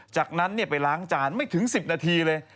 จากนั้นไปล้างจานไม่ถึง๑๐นาทีเลย